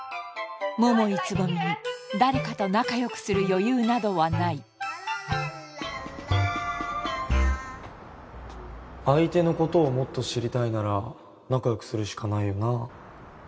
桃井蕾未に誰かと仲よくする余裕などはない相手のことをもっと知りたいなら仲よくするしかないよなあ